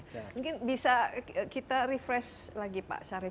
mungkin bisa kita refresh lagi pak syarif